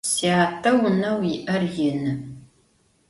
Syate vuneu yi'er yinı.